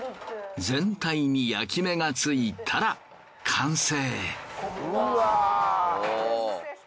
全体に焼き目がついたら完成。